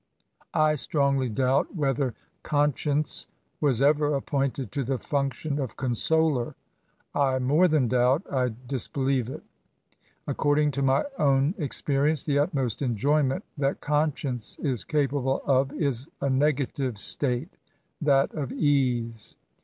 I strongly doubt whcf&er 'Ctixtsci^nce was ever appointed to the fonctiofn of Cbhsoler. I in^e tkan doubt; I did* believe it. According to^nfy otm experience, the utmost enjoyment that conscience is capable of is a negative state, timt of eaiie.